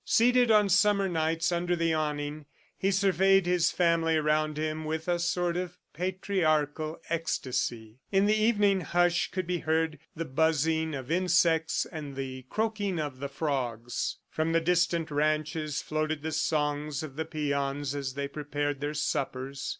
Seated on summer nights under the awning, he surveyed his family around him with a sort of patriarchal ecstasy. In the evening hush could be heard the buzzing of insects and the croaking of the frogs. From the distant ranches floated the songs of the peons as they prepared their suppers.